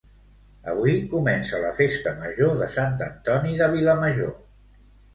Avui comença la festa major de Sant Antoni de Vilamajor